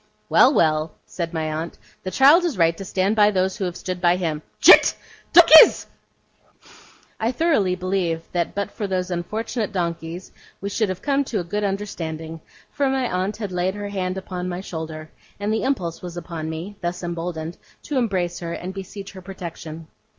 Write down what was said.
'Well, well!' said my aunt, 'the child is right to stand by those who have stood by him Janet! Donkeys!' I thoroughly believe that but for those unfortunate donkeys, we should have come to a good understanding; for my aunt had laid her hand on my shoulder, and the impulse was upon me, thus emboldened, to embrace her and beseech her protection.